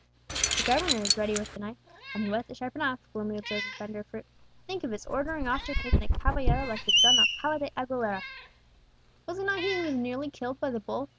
"The governor is ready enough with the knife, and he whets it sharp enough," gloomily observed the vendor of fruit. "To think of his ordering off to prison a caballero like Don Alcala de Aguilera!" "Was it not he who was nearly killed by the bull?"